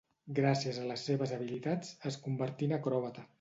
Gràcies a les seves habilitats, es convertí en acròbata.